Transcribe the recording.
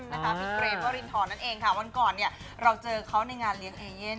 พี่เกรทวรินทรนั่นเองค่ะวันก่อนเนี่ยเราเจอเขาในงานเลี้ยงเอเย่น